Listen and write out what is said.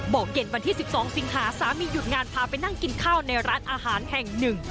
เย็นวันที่๑๒สิงหาสามีหยุดงานพาไปนั่งกินข้าวในร้านอาหารแห่งหนึ่ง